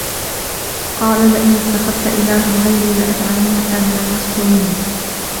قال لئن اتخذت إلها غيري لأجعلنك من المسجونين